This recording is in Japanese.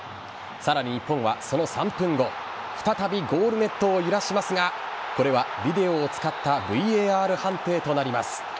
さらに日本はその３分後再びゴールネットを揺らしますがこれはビデオを使ったＶＡＲ判定となります。